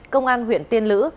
công an huyện tiên lữ